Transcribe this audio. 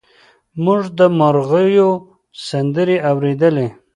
موږ د مرغیو سندرې اورېدلې.